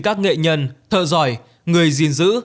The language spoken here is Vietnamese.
các nghệ nhân thợ giỏi người gìn giữ